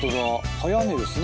早寝ですね。